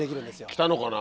来たのかな？